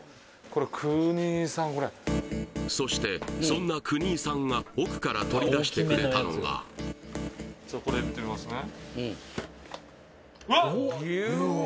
これそしてそんな國井さんが奥から取り出してくれたのがこれ見てみますね